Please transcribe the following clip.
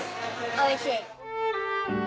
おいしい！